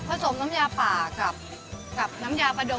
ผสมน้ำยาป่ากับน้ำยาปะดกค่ะ